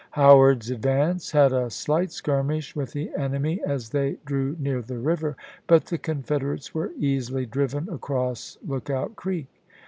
Howard's advance had a slight skirmish with the enemy as they drew near the river, but the Confederates were easily driven across Lookout Creek.